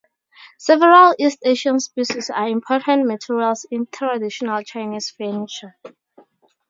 Several East Asian species are important materials in traditional Chinese furniture.